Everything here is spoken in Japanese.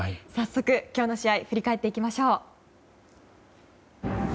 早速、今日の試合を振り返っていきましょう。